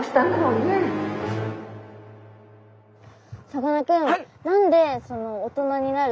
さかなクン！